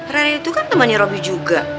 rere itu kan temennya robby juga